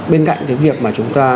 bên cạnh cái việc mà chúng ta